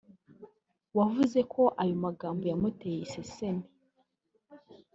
wavuze ko ayo magambo yamuteye iseseme